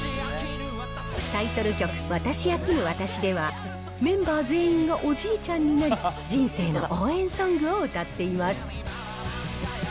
タイトル曲、私飽きぬ私では、メンバー全員がおじいちゃんになり、人生の応援ソングを歌っています。